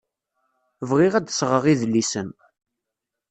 Bɣiɣ ad d-sɣeɣ idlisen.